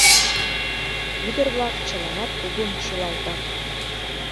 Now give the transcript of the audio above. Ӱдыр-влак чыланат кугун шӱлалтат.